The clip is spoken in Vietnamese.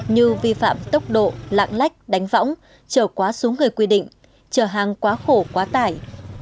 như vi phạm tốc độ lạng lách đánh võng trở quá số người quy định chở hàng quá khổ quá tải